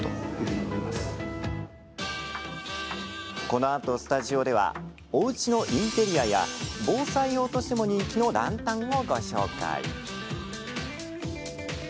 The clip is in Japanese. このあと、スタジオではおうちのインテリアや防災用としても人気のランタンを紹介。